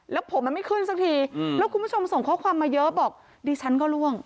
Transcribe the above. แล้วผมมันไม่ขึ้นสักทีแล้วคุณผู้ชมส่งข้อความมาเยอะบอกดิฉันก็ล่วง